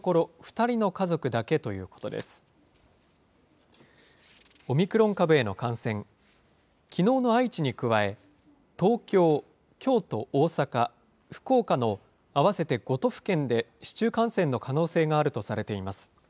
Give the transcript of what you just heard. きのうの愛知に加え、東京、京都、大阪、福岡の合わせて５都府県で市中感染の可能性があるとされています。